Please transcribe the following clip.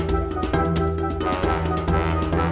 dot dot dot buka dot buka dot